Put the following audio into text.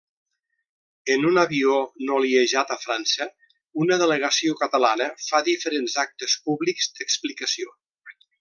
En un avió noliejat a França, una delegació catalana fa diferents actes públics d'explicació.